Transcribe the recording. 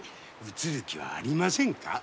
移る気はありませんか？